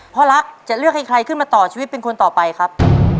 พ่อรักจะเลือกให้ใครขึ้นมาต่อชีวิตเป็นคนต่อไปครับ